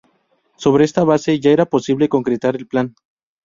Sobre esta base, ya era posible concretar el plan.